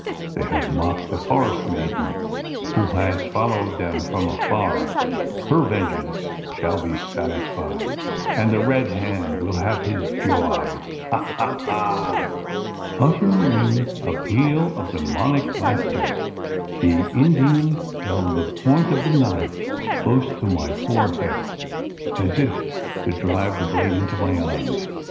They have mocked the forest maiden, who has followed them from afar. Her vengeance shall be satisfied; and the Red Hand will have his joy ha, ha, ha!" Uttering a peal of demoniac laughter, the Indian held the point of the knife close to my forehead as if about to drive the blade into my eyes!